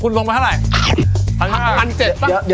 คุณลงมาเท่าไร